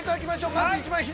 まず一番左。